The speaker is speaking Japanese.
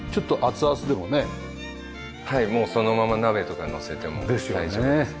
もうそのまま鍋とかのせても大丈夫です。